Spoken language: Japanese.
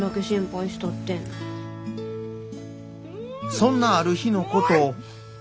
そんなある日のこと。